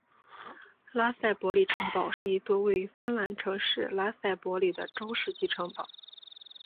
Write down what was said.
拉塞博里城堡是一座位于芬兰城市拉塞博里的中世纪城堡。